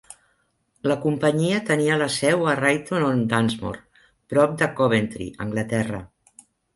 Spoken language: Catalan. La companyia tenia la seu a Ryton-on-Dunsmore, prop de Coventry, Anglaterra.